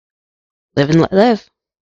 Live and let live.